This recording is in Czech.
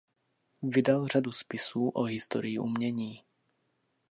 Vydal řadu spisů o historii umění.